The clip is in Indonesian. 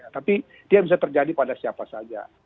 tapi dia bisa terjadi pada siapa saja